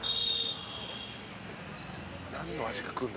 何の味が来るんだ？